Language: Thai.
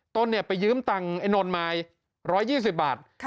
ตนเนี่ยไปยืมตังไอ้นนท์มา๑๒๐บาท